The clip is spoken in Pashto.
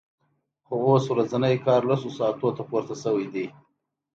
خو اوس ورځنی کار لسو ساعتونو ته پورته شوی دی